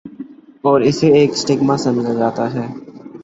اور اسے ایک سٹیگما سمجھا جاتا ہے۔